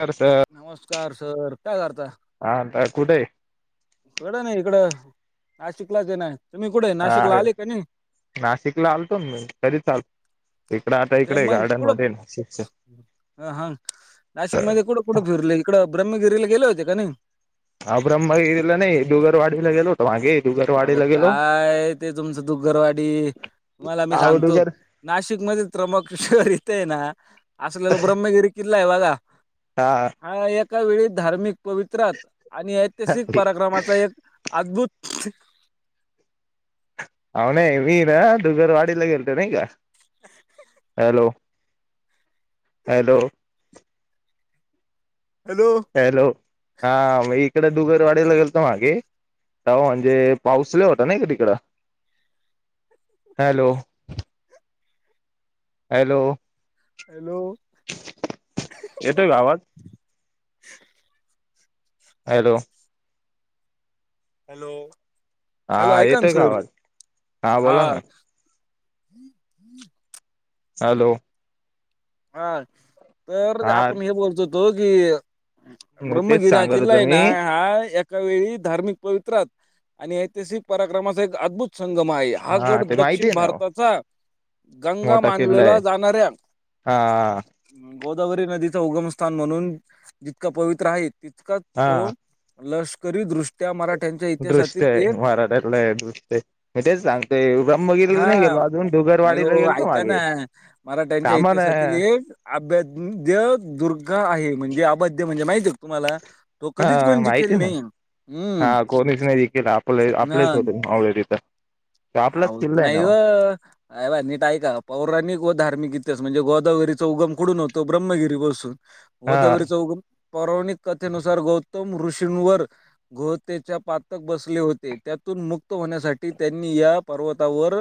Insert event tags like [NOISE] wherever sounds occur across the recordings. आंता कसं नमस्कांर सरं कायं करतां हांआतांश कुंठे आहे कडं नाही इकडं नाशिकलांच ये नां तुम्हीं कुंठे नाशिकला आहे आले कां नाहीं नाशिकला आलतो मी तरी चालतो इकडं आलों आहे ते मंग कुठं हां नाशिक मध्यें कुठं कुंठे फिरले इकडं ब्रम्हगिरीला गेले होते कां नाहीं हां ब्रम्हगिरी नाहीं डुंगर वाढीला गेलो होतो वाघे येतू गरं अगं कायं ते तुमचं दुग्गरवाडी तुम्हांला मी आहो सांगतो डुगर नाशिक मध्ये [UNINTELLIGIBLE] ना असलेला ब्रह्मगिरी किल्लाआहे बघा. हा एका वेळी धार्मिक पवित्रात आणि ऐतिहासिक अहो पराक्रमाचा एक अद्भुत हा नाही मी ना दुघर वाडीला गेलतो नाही का. हॅलो? हॅलो. हॅलो. हॅलो. हा मग इकडे दुगरवाडीला गेलतो मागे. तवा म्हणजे पाऊस लई होत नाही का तिकडं. हॅलो. हॅलो. हॅलो. येतोय का आवाज? हॅलो. हॅलो. हा हॅलो ऐका ना येतोय का सर. आवाज बोला ना हा. [UNINTELLIGIBLE] हा. तर हा आपण हे बोलतो होतो की, तेच ब्रह्मगिरी हा सांगत किला होतो आहे ना मी हा एकावेळी धार्मिक पवित्रात आणि ऐतिहासिक पराक्रमाचा एक अद्भुत संगम आहे. हा गड ते माहिती दक्षिण आहे ना हो भारताचा गंगा मोठा किल्ला मानलेला आहे जाणाऱ्या हा. गोदावरी नदीच उगमस्थान म्हणून जितका पवित्र आहे, तितकांच तो हा लष्करी दृष्ट्या मराठ्यांच्या दृष्ट इतिहासातील एक [UNINTELLIGIBLE] हे तेच ना, ते ब्रह्मगिरला नाही हा गेलो अजून नाही डुगरवाडीला हो गेलो ऐका ना मागे. मराठ्यांच्या कामा ना इतिहासातील एक अभद्य दुर्गा आहे, म्हणजे अभद्य म्हणजे माहती आहे का तुम्हाला? तो हा कधीच कोणी माहिती जिंकलेला ना नाही. हा. हम्म. कोणीच नाही जिंकलेला. आपले-आपलेच होते मावळे तिथं. तो आपलाच अहो किल्ला आहे ना नाही हो. ओ. अ बा नीट ऐका. पौराणिक व धार्मिक इतिहास म्हणजे गोदावरीचा उगम कुडून होतो ब्रह्मगिरी पासून. हा गोदावरीचा उगम पौराणिक कथेनुसार गौतम ऋषींवर गवतेच्या पातक बसले होते. त्यातून मुक्त होण्यासाठी त्यांनी या पर्वतावर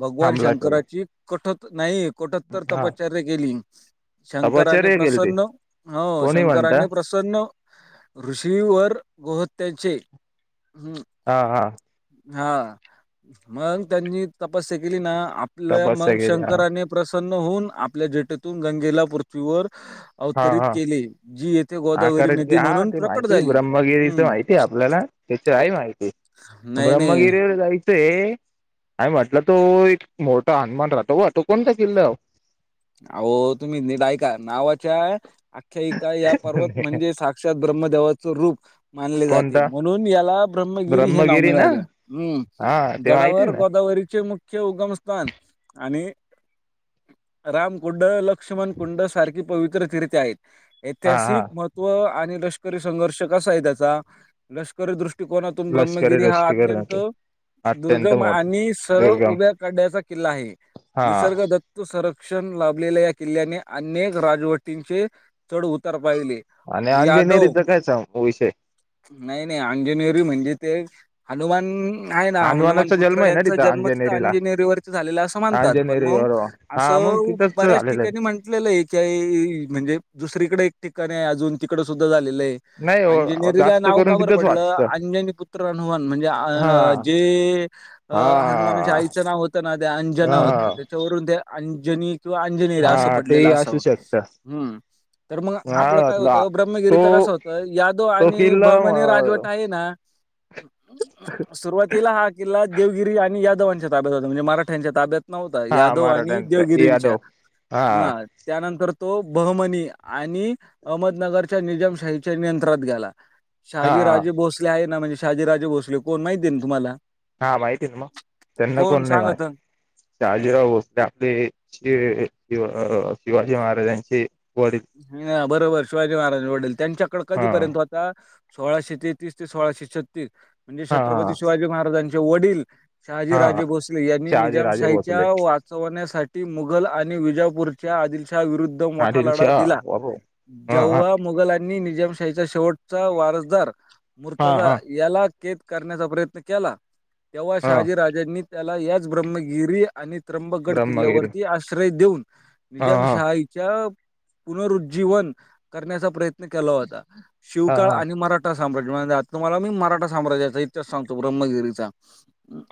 भगवान हमला केला शंकराची कठोत्तर नाही कठोत्तर हा तपस्या केली. शंकराने तपश्चर्या केलती प्रसन्न हो कोणी म्हणता शंकराने प्रसन्न न ऋषीवर गोहत्याचे ह हा हा. हा मग त्यांनी तपस्या केली ना. आपल्या तपश्चर्या मग केली हा शंकराने प्रसन होऊन आपल्या जटेतून गंगेला पृथ्वीवर हा अवतरित हा केले. जी हा गोदावरी खरच. नदी हा म्हणून ते प्रकट माहिती झाली. ब्रह्मगिरीच हं. माहितीय आपल्याला. त्याच आहे माहिती. नाही, नाही. ब्रह्मगिरीवर जायच ते आणि म्हटलं तो एक मोठा हनुमान राहतो हो तो कोणता किल्ला आओ तुम्ही नीट ऐका नावाच्या अख्ख्या [UNINTELLIGIBLE] पर्वत म्हणजे साक्षात ब्रम्मदेवाचे रूप मानले जाते, कोणता म्हणून याला ब्रममगिरी हे नाव ब्रह्मगिरी ना मिळाले. हम्. हा ते माहिती गडावर ना गोदावरीचे चे उगमस्थान आणि राम कुंड, लक्ष्मण कुंड सारखी पवित्र तीर्थे आहेत. हा हा ऐतिहासिक म तो आणि लष्करी संघर्ष कसा हाय त्याचा? लष री दृष्टिकोनातून लष्करी ब्रह्मगिरी हा रष्टीकर ना अत्यंत ते अत्यंत दुर्गम मोठ आणि सरळ दुर्गम उभ्या कड्याचा किल्ला आहे. हा निसर्ग दत्त संरक्षण लाभलेल्या या किल्ल्याने अनेक राजवटींचे चढ उतार पाहिले. आणि यादव अंजेनेरीचा काय सांगू विषय? नाही नाही अंजनेरी म्हणजे ते हनुमान नाही ना हनुमान हनुमानाचा जन्म पुत्र आहे ना यांचा जन्म, तिथं अंजनेरीला अंजिनेअरी वरती झालेला असं म्हणतात. पण अंजनेरी मग बरोबर हा त मग अ तिथंच बऱ्याच झालेलं ठिकाणी आहे म्हण कटलेलं आहे की म्हणजे दुसरीकडे एक ठिकाण हाय, अजून तिकड सुद्धा झालेलं आहे. नाही हो अंजनेरीला जास्त नाव करून का बर तिथंच पडलं? वाचतं अंजनी पुत्र हनुमान म्हणजे हा अ जे अ. अ हनुमानाच्या हा आईचं नाव होतं ना, ते अंजना होतं. हा तेच्यावरून ते अंजनी तू अंजनी हायीस अंजनीरा असं हा ते पडलेलं असू असाव शकत हम्म. तर मग मला आपलं काय वाटलं होतं, ब्रह्मगिरीच तो कसं होतं? यादव तो आणि किल्ला भहमनी राजवट आहे ना? सुरवातीला हा किल्ला देवगिरी आणि यादवांच्या ताब्यात होता म्हणजे मराठ्यांच्या ताब्यात नव्हता, हा यादव आणि मराठ्यांचा यादव देवगिरींच्या हा. त्यानंतर तो बहमणी आणि अहमदनगरच्या निजामशाहीच्या नियंत्रात गेला. हा हा शहाजीराजे भोसले आहे ना, म्हणजे शहाजी राजे भोसले कोण माहिती हाय ना तुम्हाला? हा माहितीये ना मग, त्यांना कोण नाही मा सांगा तर शहाजीराव भोसले आपले श हे शिवाजी महाराजांचे वडील. हा बरोबर शिवाजी महाराज वडील त्यांच्याकडे हा कधीपर्यंत हो ता? सोळाशे तेहतीस ते सोळाशे छत्तीस म्हणजे हा छत्रपती शिवाजी महाराजां चे वडील शहाजी हा राजे भोसले यांनी शहाजीराजे निजामशाहीच्या भोसले वा उचवण्यासाठी मुघल आणि विजापूरच्या आदिलशा विरुद्ध आदीलशहा. जेवा मुघलांनी निजामशाहीचा शेवटचा वारसदार हा मुर्तजा हा याला कैद करण्याचा प्रयत्न केला, तेव्हा हा शहाजीराजे नी त्याला याच ब्रह्मगिरी आणि त्र्यंबकगड ब्रह्मगिरी किल्ल्यावरती आश्रय देऊन हा हा निजामशाइच्या पुनरुज्जीवन करण्याचा प्रयत्न केला होता. हा शिवकाळ हा आणि मरा ठा. मराठा साम्राज म्हणजे तुम्हाला मी मराठा साम्राज्याचा इतिहास सांगतो, ब्रह्मगिरीचा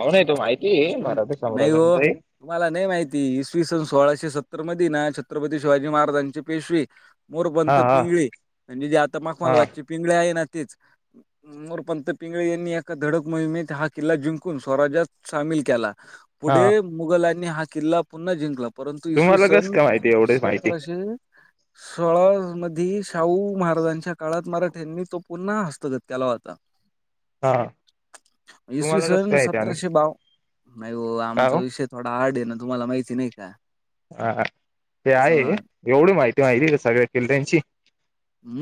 आओ नाही तो माहितीये मराठी साम्राज्य आणि ते तुम्हाला नाही माहिती. इसवी सन सोळाशे सत्तर मधे ना छत्रपती शिवाजी महाराजांचे पेशवे मोरोपंत हा हा पिंगळी म्हणजे जे आता हा मखमालबादची पिंगळे आहे ना तेच. मोरपंत पिंगळे यांनी एका धडक मोहिमेत हा किल्ला जिंकून सोराज्यात सामील केला. हा पुढे मुघलांनी हा किल्ला पुन्हा जिंकला. परंतु इसवी तुम्हाला कस सन काय माहिती एवढेच माहिती सतराशे सोळा मध्ये शाहू महाराजांच्या काळात मराठ्यांनी तो पुन्हा हस्तगत केला होता. हा इसवी तुम्हाला कस सन काय माहिती आणि सतराशे बाव नाही ओ काय आमचा विषय थोडा हार्ड हाये ना, तुम्हाला माहिती नाही का? हा हा ते आहे, हां. एवढी माहिती माहिती आहे का सगळ्या किल्यांची?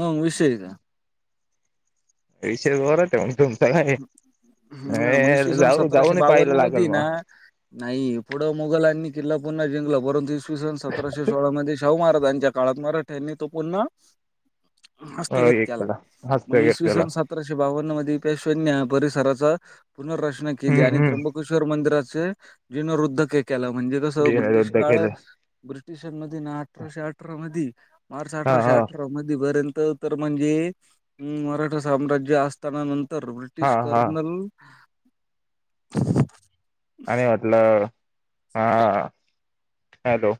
मंग विषय हाय का? विशय जोरात आहे मग तुमचा, हां, मग इसवी काही सन जाऊ जाऊन पाहायला लागेल मध्ये बघा. ना नाही पुढं मुघलांनी किल्ला पुन्हा जिंकला परंतु इसवी सन सतराशे सोळा मध्ये शाहू महाराजांच्या काळात मराठ्यांनी तो पुन्हा हस्तगत केला, एकला हस्त मग घेतलेला इसवीसन स सतराशे बावन्न मध्ये पेशव्यांनी हा परिसराचा पुनर्रचना केली हम्म आणि हम्म त्र्यंबक केश्वर मंदिराचे जिनरुध्के केला, म्हणजे कसं ब्रिटिश युद्ध काळ केले ब्रिटिशांमध्ये ना अठराशे अठरा मध्ये, मार्च हा अठराशे हा अठरा मध्ये पर्यंत तर म्हणजे, मराठा साम्राज्य असताना नंतर हा ब्रिटिश हा कर्नल आणि म्हटलं हा, हॅलो!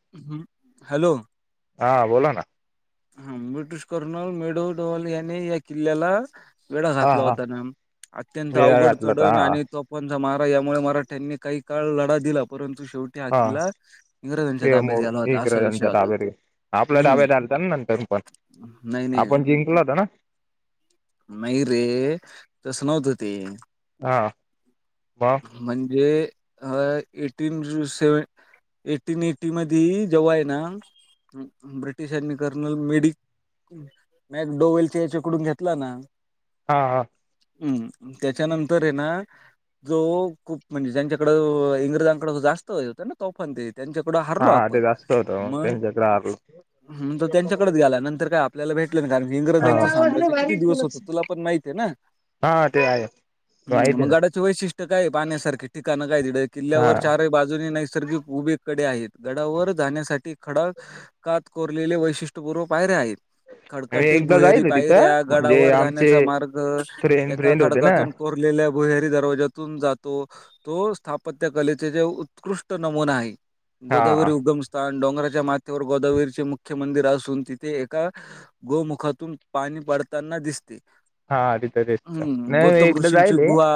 हॅलो! हा बोला ना. हा ब्रिटिश कर्नल मेडो डोल याने या किल्ल्याला वेढा हा घातला हा होता ना, अत्यंत वेळ अवघड घातला तर चढण हा आणि [UNINTELLIGIBLE] महाराजांमुळे मराठ्यांनी काही काळ लढा दिला, परंतु शेव टी हा किल्ला इंग्रजांच्या ये मो ताब्यात गेला होता, असा विषय होता हम्म. त्या नंतर पण, नाही नाही आपण जिंकला होता ना? नाही रे, तसं नव्हतं ते. हा ब म्हणजे अ एटीन जु सेवे एटीन एटी मध्ये जेव्हा आहे ना ब ब्रिटिशांनी कर्नल मेडी म मॅक डोवेलच्या हेच्याकडून घेतला ना हा हा. हम्म, त्याच्यानंतर आहे ना जो कु म्हणजे ज्यांच्याकडं अ इंग्रजांकडं असं जास्त होतं ना तोफा अन ते. त्यांच्यापुढं हारलो हा ते आपण, जास्त होतं मग. त्यांच्याकडे तर त्यांच्याकडेच गेला, नंतर काय आपल्याला भेटलंच नाय, कारण की इंग्रजांचं साम्राज्य किती दिवस आलो होतं तुला पण माहित आहे ना. हा ते आहे. हम्म, माहिती मग आहे गडाचे वैशिष्ट्य काय पाहण्यासारखे ठिकाण काय दिलंय ना किल्ल्यावर हा चार बाजूने नैसर्गिक उभे कडे आहेत, गडावर जाण्यासाठी खडं कात कोरलेले वैशिष्ट्यपूर्व पायरे आहेत. मी खडकातील एकदा भुहेरी जाईल तिथं पायऱ्या, म्हणजे गडावर आमचे जाण्याचा मार्ग फ्रेंड एका फ्रेंड होते ना खडकातून कोरलेल्या गुहेरी दरवाजात तुन जातो, तो स्थापत्य कलेचे जे उत्कृष्ट नमुना आहे. हा गोदावरी उगम स्थान, डोंगराच्या माथेवर गोदावरीचे मुख्य मंदिर असून तिथे एका गोमुखातून पाणी पडतांना दिसते. हा तिथं तेच हम्म, नाही मी गौतम एकदा ऋषींची जाईल गुहा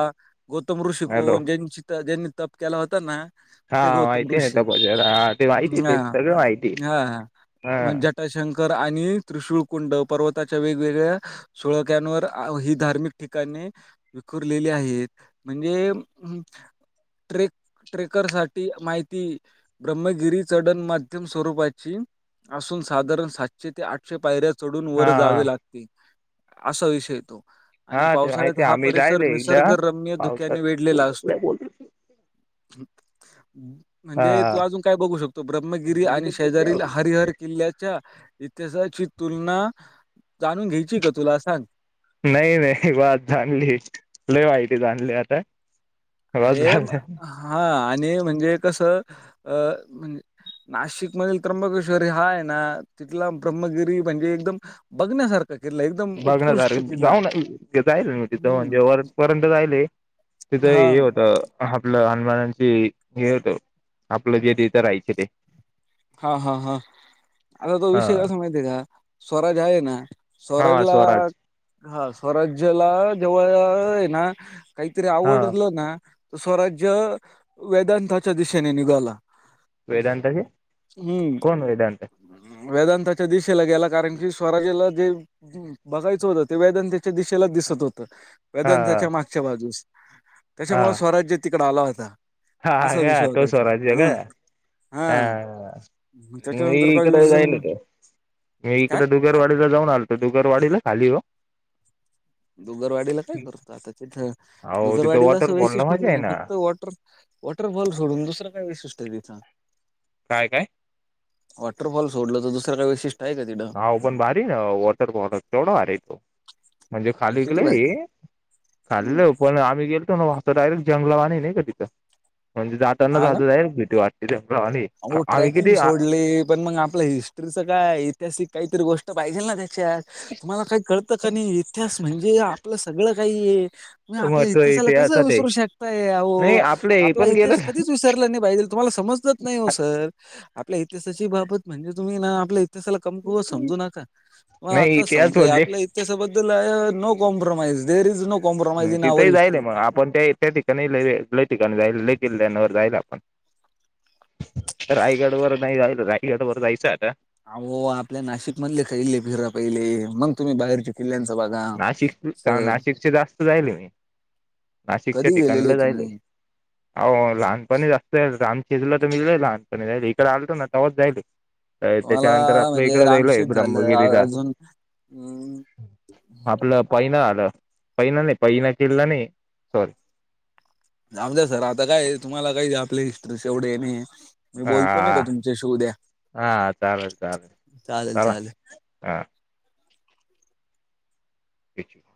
गौतम ऋषी हॅलो कोण? ज्यांची ज्यांनी तप केला होता ना हा ते गौतम माहिती आहे ऋषी, ना त्या हा ते माहिती हा ते सगळं माहिती हा हा म् ज्या टाशंकर आणि त्रिशूळ कुंड पर्वताच्या वेगवेगळ्या सुळक्यांवर आ ही धार्मिक ठिकाणे विखुरलेली आहेत. म्हणजे ट्रेक ट्रेकर साठी माहिती ब्रह्मगिरी चढण माध्यम स्वरूपाची असून साधारण सा शे ते आठशे पायऱ्या चढून वर हा हा जावे लागते, असा विषय हाय तो. आणि हा ते पावसाळ्यात माहिती हा आम्ही परिसर जायल एकदा निसर्गरम्य धुक्याने पावसात वेढलेला असतो. बोल हम्म. हा म्हणजे तूं अजूंन कायं बंघू शकतो ब्रह्मगिरी आणि शेजारील हरिहर किल्ल्यां अच्छा इतिहासाची तुंलना जाणूंन घ्यांयची कां तुंला सांग नाहीं नाहीं बांस जानली लंय माहिती झाली आंता अरे हां आणि म्हणजे कसं अं म्हणजे नाशिक मधील त्र्यंबकेश्वर हां आहे नां तिथला ब्रम्मगिरी म्हणजे एकदंम बघण्यांसारखं के एकदंम बघण्यांसारख जाऊं जाईल मं तिथं हम्म म्हणजे वरं पर्यंत जाईल आहे तिथं हा हे होतं आपलं हनुमानांची हे होत आपलं जे तेथं राहायचे ते हां हां हां आंता तो हा विषय कसां माहिती आहे कां स्वंराज आहे नां हा स्वंराजला स्वराज हां स्वराज्याला जेवळ आहे नां कांहीतरी हा आवडलं नां स्वंराज्य वेदांताच्या दिशेने निघाला. हम्म वेदांताच्या कोणं वेदांत. हम्म वेदांताच्या दिशेला गेलां कारणं की स्वंराज्याला जे. हं बघायचं होतं ते वेदन त्यांच्या दिशेलाच दिसतं होतं. हा वेदांताच्या मागच्या बाजूंस हा त्यांच्यामुळे स्वंराज्य तिकडं आंला होतां. हा आं असं विषय होतांच हम्मं हां मी त्याच्यानंतर काही इकडे जाईल दिवसांनी मी काय इकडे. दुगरवाडीला जाऊंन आलतो दुगरवाडीला खाली व. दुगरवाडीला कायं करतो आंता तिथं हो तिथं दुगरवाडीच असं वॉटरफॉल ना वैशिष्ट्य मजा आहे नाहीं ना फक्तं वॉटर. वॉटर बॉल सोडूंन दुसरं कायं विशिष्ट नाहीं तिथं कायं कायं वॉटरफॉल सोलं तरं दुसरं कायं विैशिष्ट नांव पणं बारी नं वॉटर फॉल लंय भारी म्हणजे पण खाली किती विकलं भारी हम्म खाल्लं पणं आम्हीं गेलं. डयरेट जंगलावा नाहीं कां तिथं म्हणजे त्यांनात आज जाई भीती वाटते ते आणिमही किती ते पणं मंग आपलं हे. सगळ्यां कायं ऐतिहासिक कांहीतरी गोष्ट पाहिजे नां ते. तुम्हांला कांहीं कळतं कां नाहीं इतिहास म्हणजे आपलं सगळं कांहीं. मं आपल्या महत्व इतिहासाला कसं इतिहासात आहे विसरूं शकतायह नाही आपले हे आपला. पण गेलं कधीं चं विसर नाहीं पाहिजे तुम्हांला समजतं नाहीं हो सरं आपल्या इतिहासाची बाबत म्हणजे तुम्हीं नां आपल्या. दिसायला त्यांला कमकूंवत समजूं नकां मंग नाही आंता इतिहास समजां हे म्हणजे आपल्या. त्यांच्याबद्दल no compromise there is no compromise in our history. आपणं त्यां त्यां ठिकाणी लं लं ठिकाणीं जाईल लं किल्ल्यांवर जाईल आपणं. रायगड वरं नाहीं जाल रायगड वरं जायचं आनता. अहो आपल्यां नाशिक मधले खांल्ले फिररा पहिले मंग तुम्हीं बाहेर जे. किल्यांन चा बाजार नाशिक चां नाशिकच्या जास्तं जाईल मी. नाशिकच्या कधी गेलेले ठिकाणांना जायेल आहे तुम्ही मी अहं लहांनपणीच असतं राम शेजला तरं मी लहांनपणी जाईल इकडं आलतो नां तेव्हांच जायल. तुम्हाला त्यांच्यानंतर आपणं म्हणजे इकडे जालोय रामशेत झालं अ- ब्रम्मगिरीला. अजून हम्म आपलं पैन आलं पैना नाही पैना किल्ला नाहीं सॉरी. जाऊ द्या सर आता काय हे, तुम्हाला काही हे आपल्या हिस्ट्री शी एवढे हे नाही ये. हा, हा, हा चालेल-चालेल चालेल चाला चालेल हा. [INAUDIBLE]